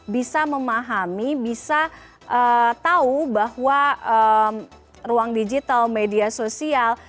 bisa memahami bisa tahu bahwa ruang digital media sosial